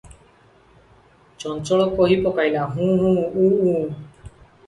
ଚଞ୍ଚଳ କହି ପକାଇଲା, ହୁଁ -ହୁଁ -ଉଁ -ଉଁ ।"